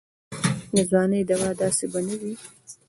د ځوانۍ دوا دا داسې به نه وي.